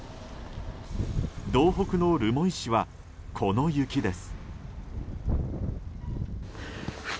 道北の留萌市は、この雪です。